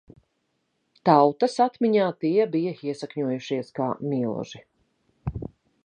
Tautas atmiņā tie bija iesakņojušies kā milži.